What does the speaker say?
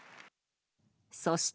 そして。